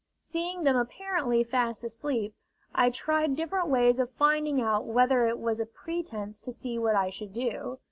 Seeing them apparently fast asleep, I tried different ways of finding out whether it was a pretence to see what I should do.